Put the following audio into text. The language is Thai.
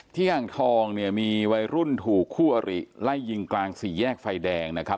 อ่างทองเนี่ยมีวัยรุ่นถูกคู่อริไล่ยิงกลางสี่แยกไฟแดงนะครับ